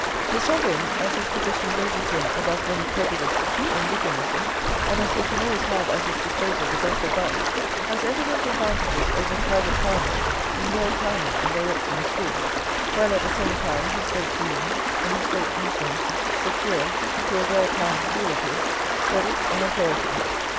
The Sovereign, as his position raises him above many prejudices and littlenesses, and as he can always have at his disposal the best advice, has evident advantages over private founders in well planning and directing a school; while at the same time his great means and his great influence secure, to a well planned school of his, credit and authority.